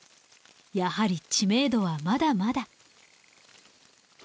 やはり知名度はまだまだ。